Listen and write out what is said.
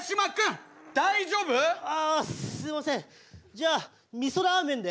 じゃあみそラーメンで。